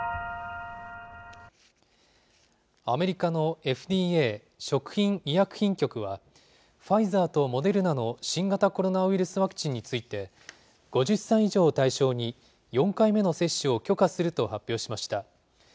アメリカのＦＤＡ・食品医薬品局は、ファイザーとモデルナの新型コロナウイルスワクチンについて、５０歳以上を対象に４回目の接種を許可すると発表しました。